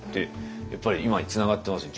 やっぱり今につながってますよ